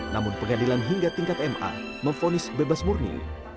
namun pengadilan hingga tingkat ma memfonis bebas murni